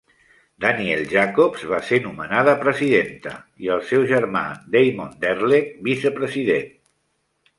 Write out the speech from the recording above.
Danielle Jacobs va ser nomenada presidenta i el seu germà Damon Derleth vicepresident.